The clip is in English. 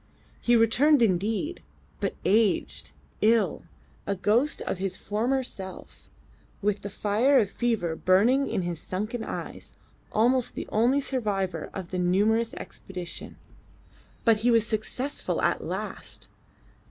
He returned indeed, but aged, ill, a ghost of his former self, with the fire of fever burning in his sunken eyes, almost the only survivor of the numerous expedition. But he was successful at last!